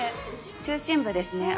中心部です。